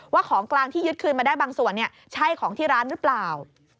ของกลางที่ยึดคืนมาได้บางส่วนใช่ของที่ร้านหรือเปล่า